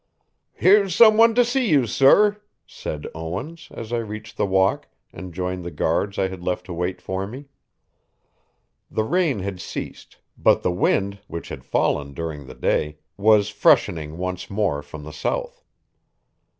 "Here's some one to see you, sir," said Owens, as I reached the walk, and joined the guards I had left to wait for me. The rain had ceased, but the wind, which had fallen during the day, was freshening once more from the south.